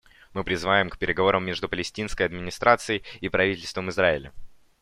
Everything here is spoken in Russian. Мы призываем к переговорам между Палестинской администрацией и правительством Израиля.